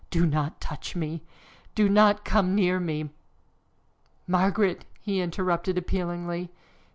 "Do not touch me! Do not come near me!" "Margaret!" he interrupted appealingly.